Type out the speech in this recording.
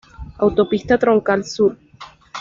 Autopista Troncal Sur